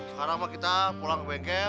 sekarang kita pulang ke bengkel